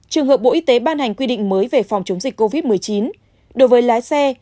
trường hợp bộ y tế ban hành quy định mới về phòng chống dịch covid một mươi chín đối với lái xe